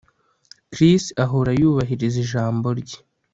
Chris ahora yubahiriza ijambo rye